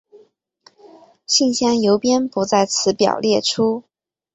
信箱邮编不在此表列出。